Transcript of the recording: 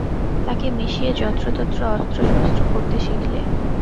তাকে মিশিয়ে যন্ত্রতন্ত্র অস্ত্রশস্ত্র করতে শিখলে।